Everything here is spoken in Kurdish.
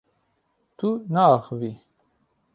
Tu naaxivî.